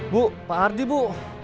bu pak ardi bu